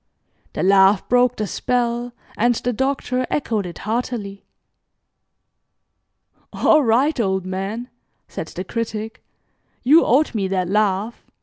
The laugh broke the spell, and the Doctor echoed it heartily. "All right, old man," said the Critic, "you owed me that laugh.